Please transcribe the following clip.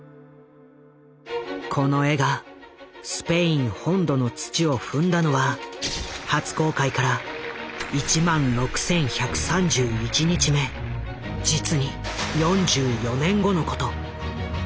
この絵がスペイン本土の土を踏んだのは初公開から１６，１３１日目実に４４年後のこと。